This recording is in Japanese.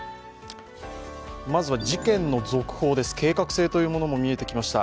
まずは事件の続報です、計画性というものも見えてきました。